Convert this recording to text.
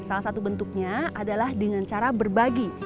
salah satu bentuknya adalah dengan cara berbagi